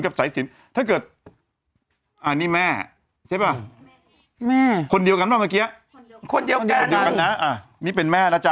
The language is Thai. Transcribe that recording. คนเดียวกันบ้างเมื่อกี้คนเดียวกันคนเดียวกันนะอ่ะนี่เป็นแม่นะจ๊ะ